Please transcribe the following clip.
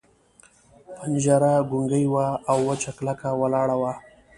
پنجره ګونګۍ وه او وچه کلکه ولاړه وه.